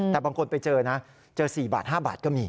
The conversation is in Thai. แต่บางคนไปเจอนะเจอ๔บาท๕บาทก็มี